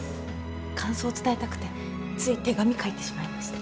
感想伝えたくてつい手紙書いてしまいました。